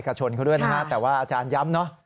กับชนเข้าด้วยนะครับแต่ว่าอาจารย์ย้ำนะ